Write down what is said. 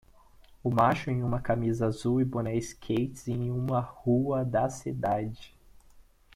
O macho em uma camisa azul e boné skates em uma rua da cidade.